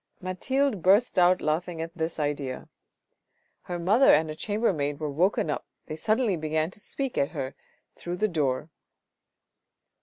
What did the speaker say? Mathilde burst out laughing at this idea. Her mother and a chamber maid were woken up, they suddenly began to speak to her through the door.